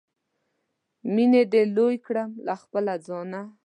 مینې دې لوی کړم له خپله ځانه